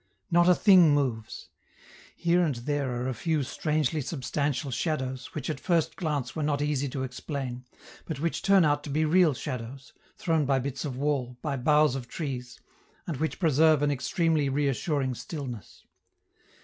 not a thing moves. Here and there are a few strangely substantial shadows, which at first glance were not easy to explain, but which turn out to be real shadows, thrown by bits of wall, by boughs of trees, and which preserve an extremely reassuring stillness.